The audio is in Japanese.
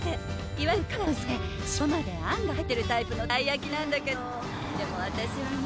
いわゆる皮が薄くて尻尾まであんが入ってるタイプのたい焼きなんだけどでも私はね。